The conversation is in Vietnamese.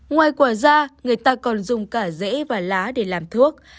ngoài quả da người ta còn dùng cả dễ và lá để làm thuốc